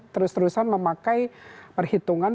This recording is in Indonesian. terus terusan memakai perhitungan